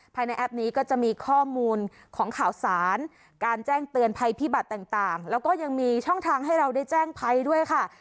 แอปนี้ก็จะมีข้อมูลของข่าวสารการแจ้งเตือนภัยพิบัตรต่างแล้วก็ยังมีช่องทางให้เราได้แจ้งภัยด้วยค่ะ